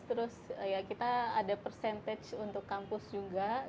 terus kita ada percentage untuk kampus juga